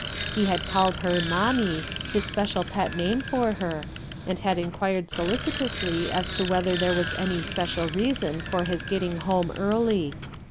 He had called her "mororoie," his special pet name for her, and had inquired solicitously as to whether there was any special reason for his getting home early.